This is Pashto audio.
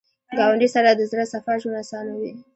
ګاونډي سره د زړه صفا ژوند اسانوي